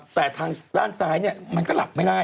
แต่ทางด้านซ้ายเนี่ยมันก็หลับไม่ได้